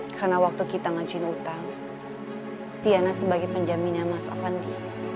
karena waktu kita ngajuin utang tiana sebagai penjaminnya mas avandi